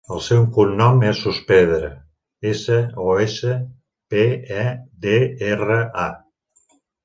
El seu cognom és Sospedra: essa, o, essa, pe, e, de, erra, a.